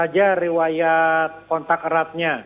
ini adalah riwayat kontak eratnya